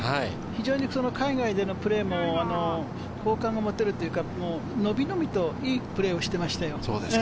非常に海外でのプレーも好感が持てるというか、のびのびといいプレーをしていましたよ。